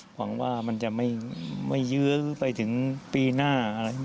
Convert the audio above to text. หวังว่ามันจะไม่เยื้อไปถึงปีหน้า